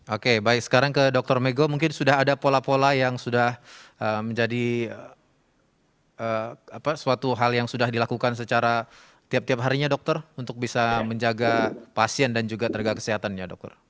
oke baik sekarang ke dr mego mungkin sudah ada pola pola yang sudah menjadi suatu hal yang sudah dilakukan secara tiap tiap harinya dokter untuk bisa menjaga pasien dan juga tenaga kesehatan ya dokter